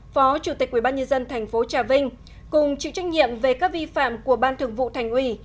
phó chủ tịch quy bát nhân dân tp trà vinh cùng chịu trách nhiệm về các vi phạm của ban thường vụ thành ủy